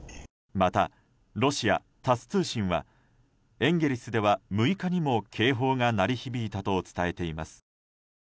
また、ロシア・タス通信はエンゲリスでは６日にも警報が鳴り響いたと伝えています。